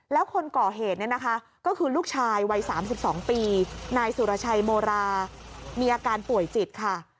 แล้วคนก่อเหตุเนี่ยนะคะก็คือลูกชายวัย๓๒ปีนายสุรชัยโมรามีอาการป่วยจิตค่ะ